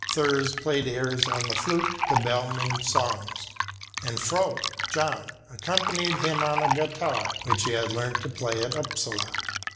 Thurs played airs on the flute to Bellmann's songs, and Frö (John) accompanied him on a guitar which he had learnt to play at Upsala.